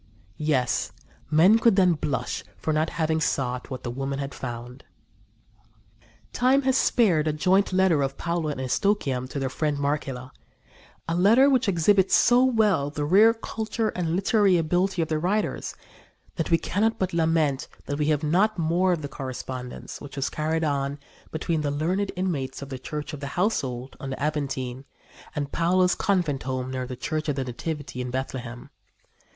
Yes, men could then blush for not having sought what the women had found." Time has spared a joint letter of Paula and Eustochium to their friend Marcella a letter which exhibits so well the rare culture and literary ability of the writers that we cannot but lament that we have not more of the correspondence which was carried on between the learned inmates of the Church of the Household on the Aventine and Paula's convent home near the Church of the Nativity in Bethlehem.